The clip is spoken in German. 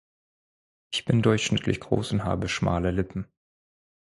Ich bin durchschnittlich groß und habe schmale Lippen.